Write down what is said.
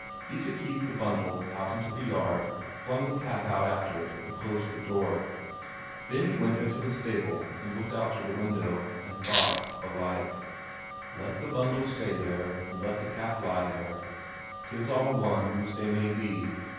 Isak heaved the bundle out into the yard, flung the cap out after it, and closed the door. Then he went into the stable and looked out through the window. And thought, belike: "Let the bundle stay there, and let the cap lie there, 'tis all one whose they may be.